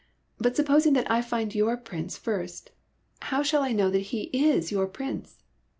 But supposing that I find your Prince first, how shall I know that he is your Prince